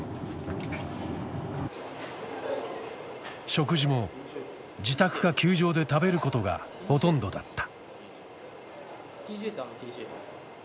食事も自宅か球場で食べることがほとんどだった。